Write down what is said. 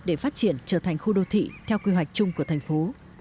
để phát triển trở thành khu đô thị theo quy hoạch chung của thành phố